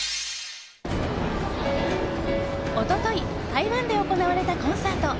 一昨日、台湾で行われたコンサート。